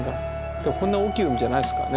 でもこんな大きい海じゃないですからね